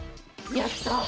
やったー！